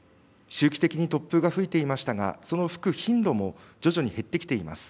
周期的に突風が吹いていましたがその吹く頻度も徐々に減ってきています。